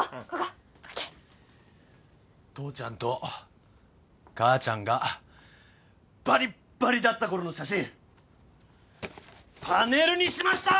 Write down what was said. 父ちゃんと母ちゃんがバリッバリだったころの写真パネルにしました！